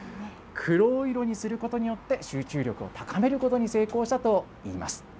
黒色にすることで、集中力を高めることに成功したといいます。